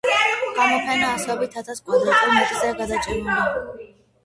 გამოფენა ასობით ათას კვადრატულ მეტრზეა გადაჭიმული.